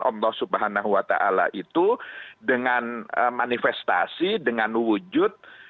allah subhanahu wa ta'ala itu dengan manifestasi dengan wujud